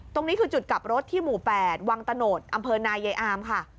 ตรงนี้คือจุดกลับรถที่หมู่๘วังตะโนธอำเภอนายายอามค่ะ